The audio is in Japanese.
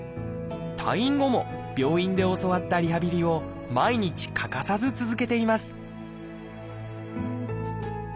退院後も病院で教わったリハビリを毎日欠かさず続けています